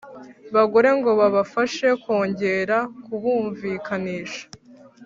bagore ngo babafashe kongera kubumvikanisha.